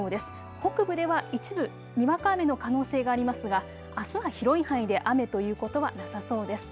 北部では一部、にわか雨の可能性がありますがあすは広い範囲で雨ということはなさそうです。